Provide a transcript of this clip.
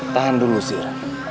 tahan dulu sir